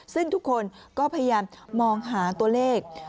ซึ่งทุกคนก็พยายามมองหาตัวเลข